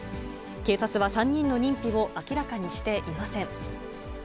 警察は３人の認否を明らかにしていません。